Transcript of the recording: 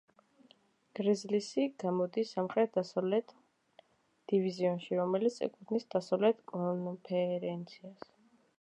გრიზლისი გამოდის სამხრეთ-დასავლეთ დივიზიონში, რომელიც ეკუთვნის დასავლეთ კონფერენციას.